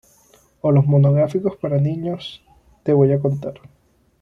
O los monográficos para niños "Te voy a contar...